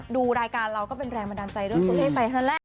ดูรายการเราก็เป็นแรงบันดาลใจด้วยสุดให้ไป